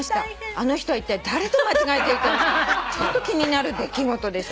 あの人はいったい誰と間違えていたのかちょっと気になる出来事でした」